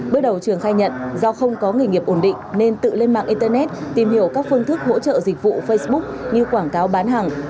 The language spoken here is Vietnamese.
bước đầu trường khai nhận do không có nghề nghiệp ổn định nên tự lên mạng internet tìm hiểu các phương thức hỗ trợ dịch vụ facebook như quảng cáo bán hàng